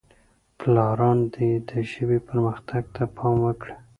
پلاران دې د ژبې پرمختګ ته پام وکړي.